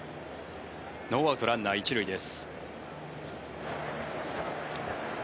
ノーアウトランナー１塁です。